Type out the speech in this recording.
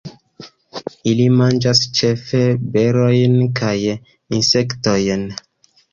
Ili manĝas ĉefe berojn kaj insektojn.